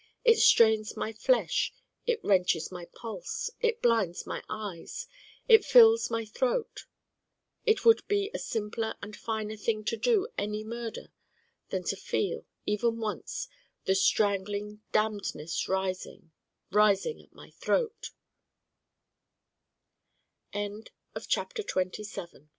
It strains my flesh it wrenches my pulse it blinds my eyes it fills my throat it would be a simpler and finer thing to do any Murder than to feel, even once, the strangling damnedness rising, rising at my throat Loose twos To morrow I take it for granted God